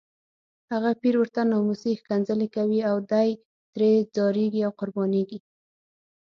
هغه پیر ورته ناموسي ښکنځلې کوي او دی ترې ځاریږي او قربانیږي.